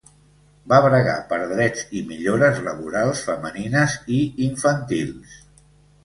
Va bregar per drets i millores laborals femenines i infantils.